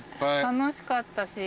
楽しかったし。